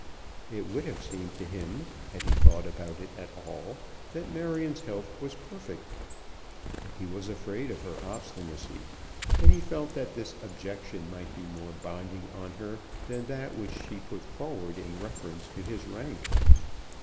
It would have seemed to him, had he thought about it at all, that Marion's health was perfect. But he was afraid of her obstinacy, and he felt that this objection might be more binding on her than that which she put forward in reference to his rank.